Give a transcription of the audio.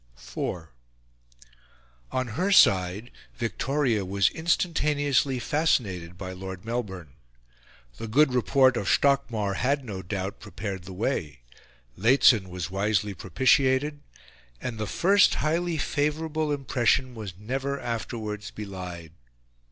IV On her side, Victoria was instantaneously fascinated by Lord Melbourne. The good report of Stockmar had no doubt prepared the way; Lehzen was wisely propitiated; and the first highly favourable impression was never afterwards belied.